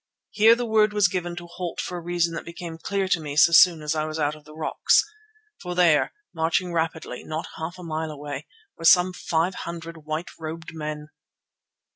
Here the word was given to halt for a reason that became clear to me so soon as I was out of the rocks. For there, marching rapidly, not half a mile away, were some five hundred white robed men.